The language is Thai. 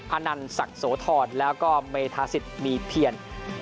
อนันศักดิ์โสธรแล้วก็เมธาสิทธิ์มีเพียร